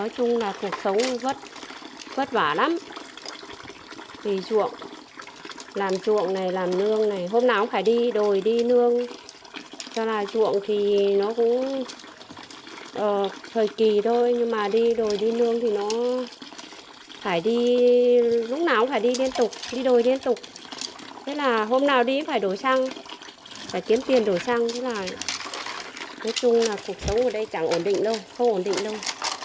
chị phải đổi sang phải kiếm tiền đổi sang nói chung là cuộc sống ở đây chẳng ổn định đâu không ổn định đâu